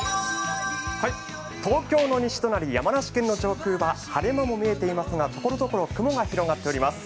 東京の西となる山梨県の上空は晴れ間も見えていますがここのところ、雲が広がっています。